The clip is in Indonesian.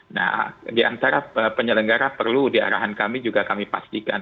nah diantara penyelenggara perlu di arahan kami juga kami pastikan